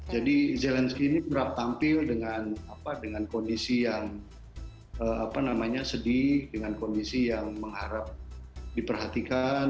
jadi zelensky ini berat tampil dengan kondisi yang sedih dengan kondisi yang mengharap diperhatikan